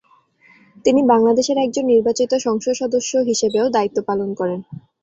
তিনি বাংলাদেশের একজন নির্বাচিত সংসদ সদস্য হিসেবেও দায়িত্ব পালন করেন।